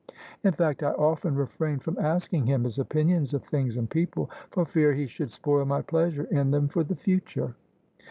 In fact, I often refrain from asking him his opinion of things and people, for fear he should spoil my pleasure in them for the future."